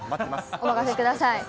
お任せください。